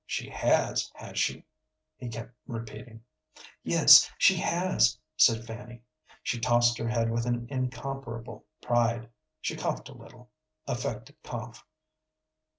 "She has, has she?" he kept repeating. "Yes, she has," said Fanny. She tossed her head with an incomparable pride; she coughed a little, affected cough.